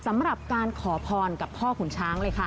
สำหรับการขอพรกับพ่อขุนช้างเลยค่ะ